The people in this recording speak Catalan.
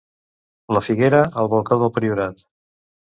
La Figuera, el balcó del Priorat.